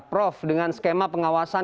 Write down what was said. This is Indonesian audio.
prof dengan skema pengawasan